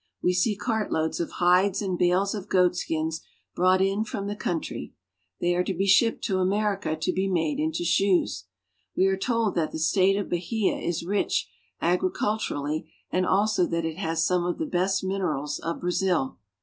We see cartloads of hides and bales of goatskins brought in from the country. They are to be shipped to America to be made into shoes. We are told that the state of Bahia is rich agriculturally, and also that it has some of the best minerals of Brazil.